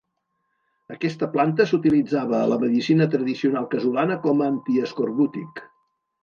Aquesta planta s'utilitzava a la medicina tradicional casolana com a antiescorbútic.